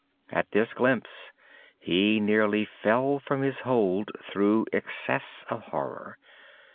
At this glimpse he nearly fell from his hold through excess of horror.